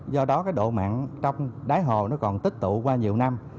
do đó độ mặn trong đáy hồ còn tích tụ qua nhiều năm